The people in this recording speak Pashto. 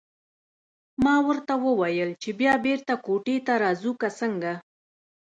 ما ورته وویل چې بیا بېرته کوټې ته راځو که څنګه.